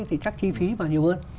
thì chắc chi phí vào nhiều hơn